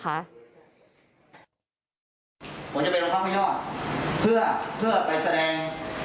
ถ้าเป็นการที่ลุงบอกผมจริง